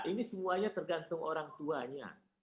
ini semuanya tergantung orang tuanya